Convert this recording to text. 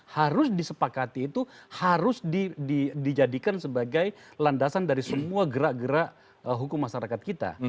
harus disepakati itu harus dijadikan sebagai landasan dari semua gerak gerak hukum masyarakat kita